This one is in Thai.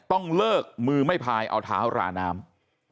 ต้องเลิกมือไม่พายเอาเท้าราน้ำ